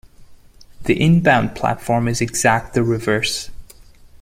The inbound platform is exact the reverse.